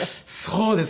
そうですね。